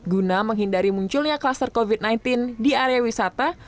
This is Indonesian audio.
guna menghindari munculnya kluster covid sembilan belas di area wisata